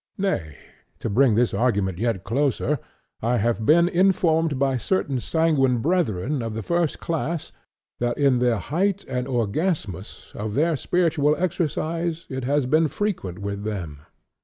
Nay, to bring this argument yet closer, I have been informed by certain sanguine brethren of the first class, that in the height and orgasmus of their spiritual exercise, it has been frequent with them